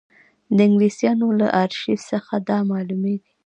د انګلیسیانو له ارشیف څخه دا معلومېږي.